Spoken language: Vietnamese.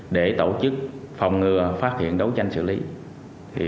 để tổ chức phòng ngừa phát hiện đấu tranh xử lý